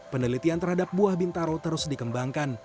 penelitian terhadap buah bintaro terus dikembangkan